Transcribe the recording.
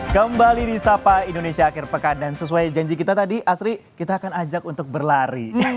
kembali di sapa indonesia akhir pekan dan sesuai janji kita tadi asri kita akan ajak untuk berlari